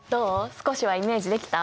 少しはイメージできた？